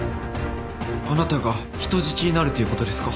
あなたが人質になるという事ですか？